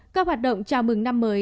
các hoạt động chào mừng năm mới